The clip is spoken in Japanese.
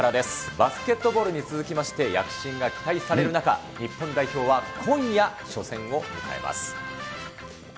バスケットボールに続きまして、躍進が期待される中、日本代表は今夜、初戦を迎えます。